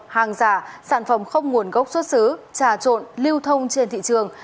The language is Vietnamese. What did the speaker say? hàng giả sản phẩm không nguồn gốc xuất xứ trà trộn lưu thông trên thị trường